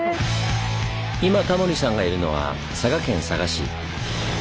今タモリさんがいるのは佐賀県佐賀市。